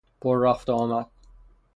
پررفت وآمد